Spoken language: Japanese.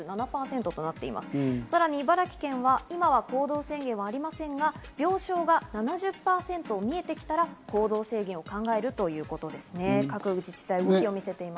さらに茨城県は今は行動制限はありませんが、病床の７０％が見えてきたら行動制限を考えるということですね。